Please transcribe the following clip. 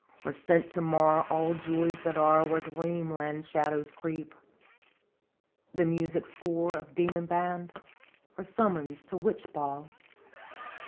Or sent to mar all joys that are Where Dream land shadows creep r " The music score of demon band? Or summons to witch ball?